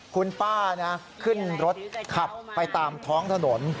คุณป้าขึ้นรถขับไปตามท้องถนน